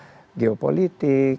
apalagi ada geopolitik